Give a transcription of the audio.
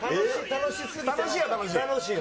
楽しいの。